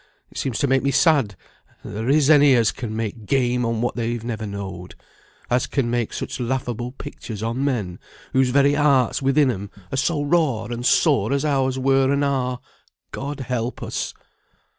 It seems to make me sad that there is any as can make game on what they've never knowed; as can make such laughable pictures on men, whose very hearts within 'em are so raw and sore as ours were and are, God help us."